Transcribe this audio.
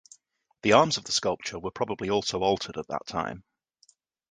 The arms of the sculpture were probably also altered at that time.